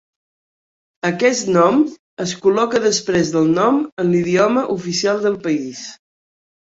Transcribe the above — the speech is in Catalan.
Aquest nom es col·loca després del nom en l'idioma oficial del país.